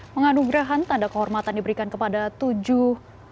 penganugerahan tanda kehormatan diberikan kepada tujuh